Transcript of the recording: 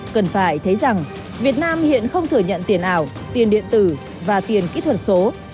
cần phải thấy rằng việt nam hiện không thừa nhận tiền ảo tiền điện tử và tiền kỹ thuật số